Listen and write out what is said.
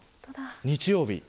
日曜日